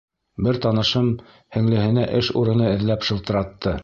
Бер танышым һеңлеһенә эш урыны эҙләп шылтыратты.